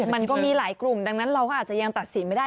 มันก็มีหลายกลุ่มดังนั้นเราก็อาจจะยังตัดสินไม่ได้